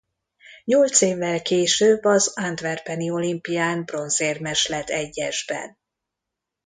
Nyolc évvel később az antwerpeni olimpián bronzérmes lett egyesben.